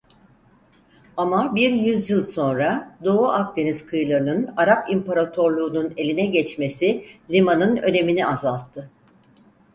Ama bir yüzyıl sonra Doğu Akdeniz kıyılarının Arap imparatorluğunun eline geçmesi limanın önemini azalttı.